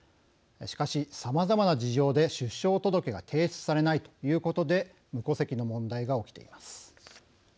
しかし、さまざまな事情で出生届が提出されないということで無戸籍の問題が起きています。